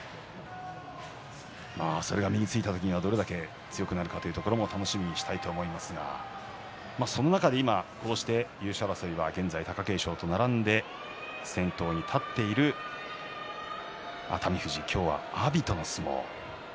それが身についた時にはどれだけ強くなるかというところも楽しみにしたいと思いますがその中で今、優勝争いは現在貴景勝と並んで先頭に立っている熱海富士、今日は阿炎との相撲。